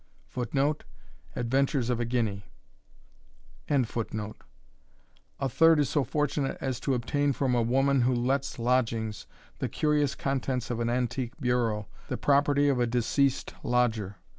[Footnote: Adventures of a Guinea.] A third is so fortunate as to obtain from a woman who lets lodgings, the curious contents of an antique bureau, the property of a deceased lodger.